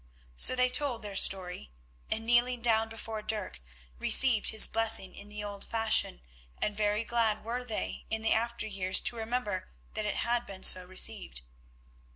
So they told their story, and kneeling down before Dirk, received his blessing in the old fashion, and very glad were they in the after years to remember that it had been so received.